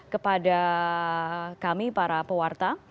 kepada kami para pewarta